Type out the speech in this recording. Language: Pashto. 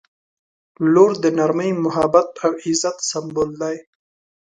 • لور د نرمۍ، محبت او عزت سمبول دی.